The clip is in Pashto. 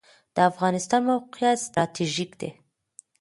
د افغانستان موقعیت ستراتیژیک دی